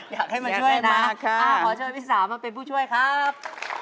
อยากให้มาช่วยนะขอเชิญพี่สาวมาเป็นผู้ช่วยครับ